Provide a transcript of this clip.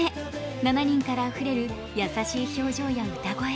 ７人からあふれる優しい表情や歌声。